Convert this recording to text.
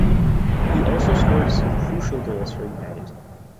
He also scored some crucial goals for United.